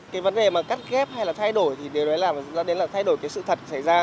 cái vấn đề mà cắt kép hay là thay đổi thì điều đấy là thay đổi sự thật xảy ra